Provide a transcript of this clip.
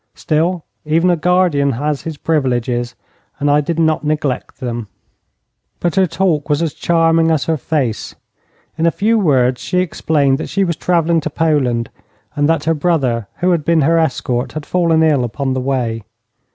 Still, even a guardian has his privileges, and I did not neglect them. But her talk was as charming as her face. In a few words she explained that she was travelling to Poland, and that her brother who had been her escort had fallen ill upon the way.